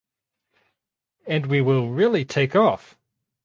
And we will really take off.